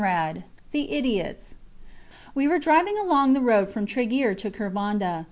THE IDIOTS We were driving along the road from Treguier to Kervanda.